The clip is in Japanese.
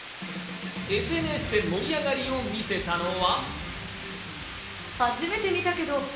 ＳＮＳで盛り上がりを見せたのは。